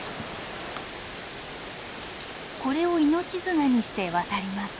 これを命綱にして渡ります。